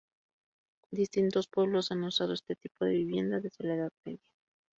Distintos pueblos han usado este tipo de vivienda desde la Edad Media.